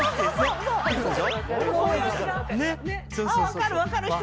分かる分かる。